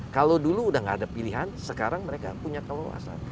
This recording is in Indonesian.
kalau dulu udah gak ada pilihan sekarang mereka punya kewasan